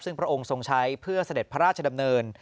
ซึ่งพระองค์ทรงใช้เพื่อเสด็จพระราชดำเนิน